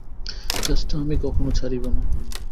চেষ্টা আমি কখনও ছাড়িব না।